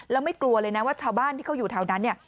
แล้วไม่กลัวเลยนะว่าชาวบ้านที่เขาอยู่แถวนั้นเนี่ย